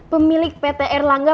pemilik pt erlangga